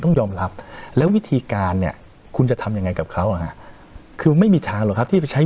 ต้องยอมรับแล้ววิธีการเนี่ยคุณจะทำยังไงกับเขาอะฮะ